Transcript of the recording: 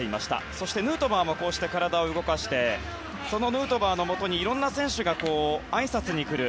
そしてヌートバーもこうして体を動かしてそのヌートバーのもとにいろんな選手があいさつに来る。